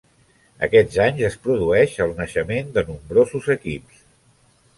Aquests anys es produeix el naixement de nombrosos equips.